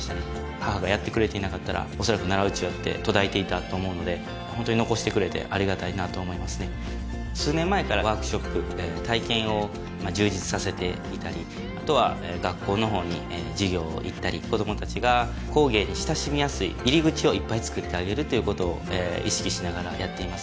母がやってくれていなかったらおそらく奈良団扇って途絶えていたと思うので本当に残してくれてありがたいなと思いますね数年前からワークショップ体験を充実させていたりあとは学校の方に授業を行ったり子どもたちが工芸に親しみやすい入り口をいっぱい作ってあげるということを意識しながらやっています